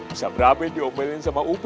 bisa beramil diomelin sama ub